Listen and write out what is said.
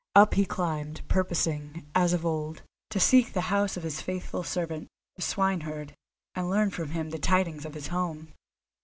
Up he climbed, purposing, as of old, to seek the house of his faithful servant, the swineherd, and learn from him the tidings of his home.